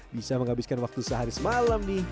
bisa menghabiskan waktu sehari semalam nih